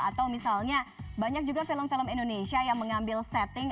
atau misalnya banyak juga film film indonesia yang mengambil setting